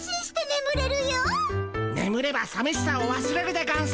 眠ればさみしさを忘れるでゴンス。